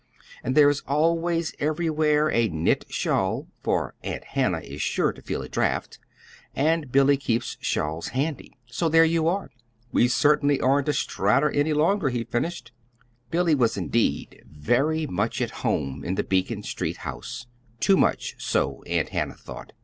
And there is always everywhere a knit shawl, for Aunt Hannah is sure to feel a draught, and Billy keeps shawls handy. So there you are! We certainly aren't a strata any longer," he finished. Billy was, indeed, very much at home in the Beacon Street house too much so, Aunt Hannah thought.